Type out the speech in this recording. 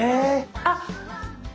あっ！